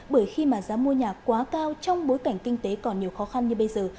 bởi khi mà giá mua nhà quá cao trong bối cảnh kinh tế còn nhiều khó khăn như bây giờ